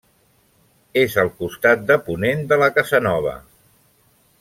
És al costat de ponent de la Casanova.